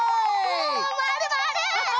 おまわるまわる！